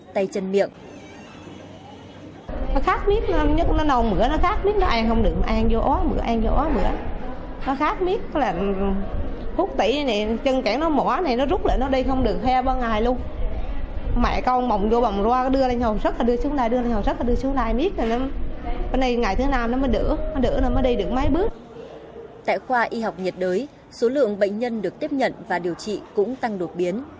trong đó bệnh nhân nhi được tiếp nhận và điều trị cũng tăng đột biến